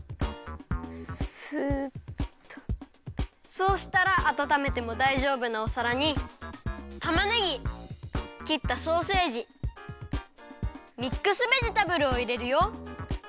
そうしたらあたためてもだいじょうぶなおさらにたまねぎきったソーセージミックスベジタブルをいれるよ。